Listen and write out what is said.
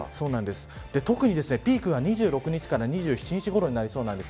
特にピークが２６日から２７日ごろになりそうです。